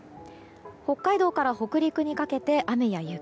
北海道から北陸にかけて雨や雪。